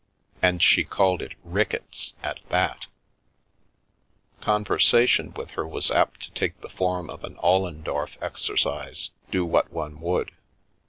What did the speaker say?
And she called it " Rickitt's " at that Conversation with her was apt to take the form of an Ollendorf exercise, do what one would.